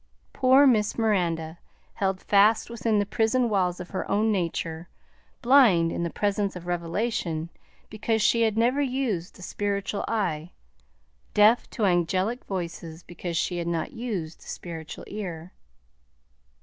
Poor Miss Miranda! held fast within the prison walls of her own nature, blind in the presence of revelation because she had never used the spiritual eye, deaf to angelic voices because she had not used the spiritual ear.